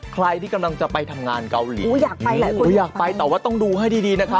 ใครที่กำลังจะไปทำงานเกาหลีอยากไปแต่ว่าต้องดูให้ดีนะครับ